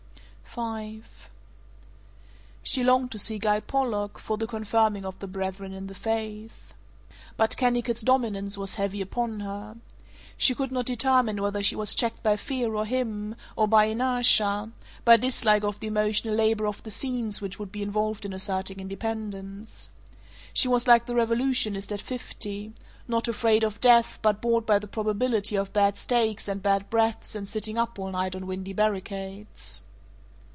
V She longed to see Guy Pollock, for the confirming of the brethren in the faith. But Kennicott's dominance was heavy upon her. She could not determine whether she was checked by fear or him, or by inertia by dislike of the emotional labor of the "scenes" which would be involved in asserting independence. She was like the revolutionist at fifty: not afraid of death, but bored by the probability of bad steaks and bad breaths and sitting up all night on windy barricades.